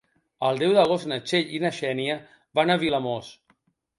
El deu d'agost na Txell i na Xènia van a Vilamòs.